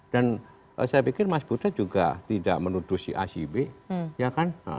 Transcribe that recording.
dan saya pikir mas butet juga tidak menuduh si acb ya kan